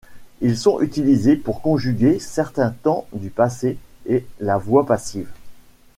Ils sont utilisés pour conjuguer certains temps du passé et la voix passive.